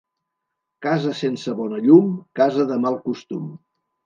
Casa sense bona llum, casa de mal costum.